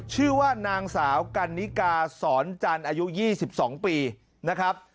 ชื่อว่านางสาวกันนิกาสอนจันทร์อายุ๒๒ปีนะครับ